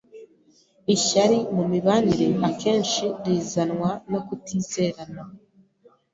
Ishyari mu mibanire akenshi rizanwa no kutizerana.